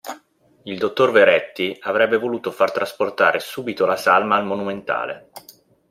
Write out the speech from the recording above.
Il dottor Veretti avrebbe voluto far trasportare subito la salma al Monumentale.